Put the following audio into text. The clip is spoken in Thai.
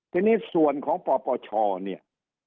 ทีนี้ส่วนของปปชเนี่ย